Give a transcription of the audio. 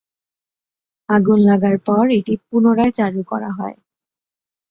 আগুন লাগার পর এটি পুনরায় চালু করা হয়।